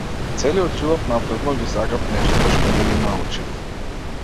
Целиот живот напразно ги сакав нештата што не ги научив.